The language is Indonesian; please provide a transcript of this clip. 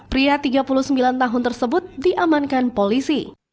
pria tiga puluh sembilan tahun tersebut diamankan polisi